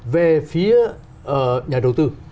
về phía nhà đầu tư